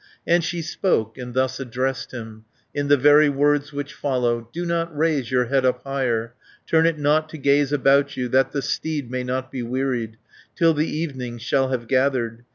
And she spoke and thus addressed him, In the very words which follow: "Do not raise your head up higher, Turn it not to gaze about you, That the steed may not be wearied, Till the evening shall have gathered.